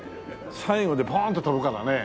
最後でポーンと跳ぶからね。